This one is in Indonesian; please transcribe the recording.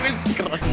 tepuk tangan lagi dong